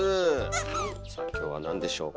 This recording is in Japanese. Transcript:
さあ今日は何でしょうか。